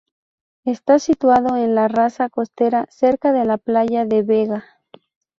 Está situado en la rasa costera cerca de la playa de Vega.